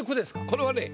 これはね